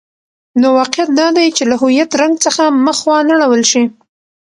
نو واقعیت دادی چې له هویت رنګ څخه مخ وانه ړول شي.